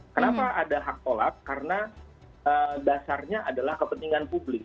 kenapa ada hak tolak karena dasarnya adalah kepentingan publik